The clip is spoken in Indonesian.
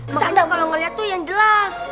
bercanda kalo ngeliat tuh yang jelas